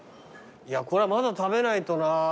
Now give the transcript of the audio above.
これはまだ食べないとな。